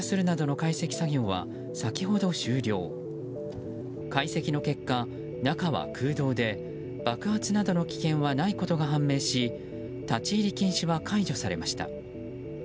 解析の結果、中は空洞で爆発などの危険はないことが判明し立ち入り禁止は解除されました。